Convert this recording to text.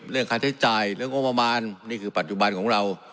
เรื่องค่าใช้จ่ายเรื่องงบประมาณนี่คือปัจจุบันของเรา